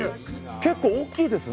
結構大きいですね。